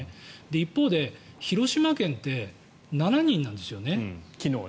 一方で広島県って７人なんですよね。